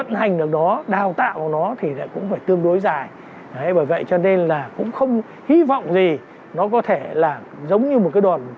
phải tương đối dài bởi vậy cho nên là cũng không hy vọng gì nó có thể là giống như một cái đoạn